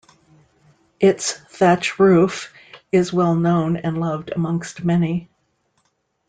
Its Thatch Roof is well known and loved amongst many.